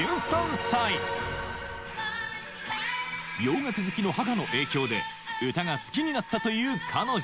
洋楽好きの母の影響で歌が好きになったという彼女